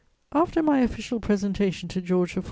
After my official presentation to George IV.